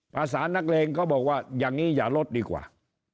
ภาษานักเลงก็บอกว่าอย่างนี้อย่าลดดีกว่า